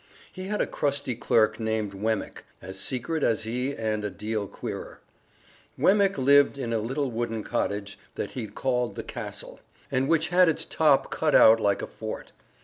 He had a crusty clerk named Wemmick, as secret as he and a deal queerer. Wemmick lived in a little wooden cottage that he called The Castle, and which had its top cut out like a fort.